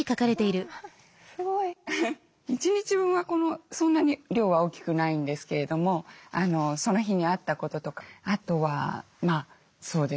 一日分はそんなに量は大きくないんですけれどもその日にあったこととかあとはそうですね褒めることですね。